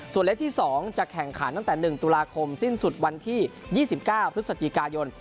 ส่วนเล็กที่๒จะแข่งขันตั้งแต่๑ตุลาคมสิ้นสุดวันที่๒๙พฤศจิกายน